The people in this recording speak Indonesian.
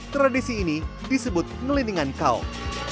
tradisi ini disebut ngelindingan kaul